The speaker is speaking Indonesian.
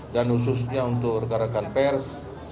dan khususnya untuk rekan rekan pers